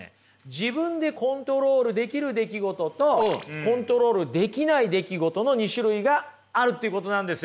自分でコントロールできる出来事とコントロールできない出来事の２種類があるっていうことなんです。